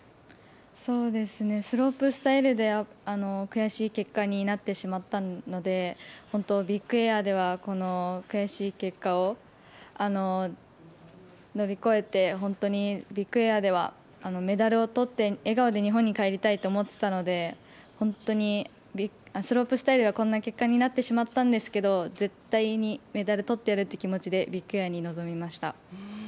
そうですね、スロープスタイルで悔しい結果になってしまったので、本当、ビッグエアでは、この悔しい結果を乗り越えて、本当にビッグエアでは、メダルをとって、笑顔で日本に帰りたいと思っていたので、本当にスロープスタイルがこんな結果になってしまったんですけど、絶対にメダルとってやるという気持ちで、ビッグエアに臨みました。